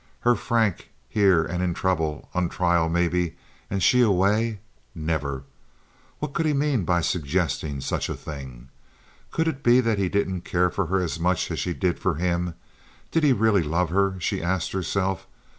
Her Frank here and in trouble—on trial maybe and she away! Never! What could he mean by suggesting such a thing? Could it be that he didn't care for her as much as she did for him? Did he really love her? she asked herself.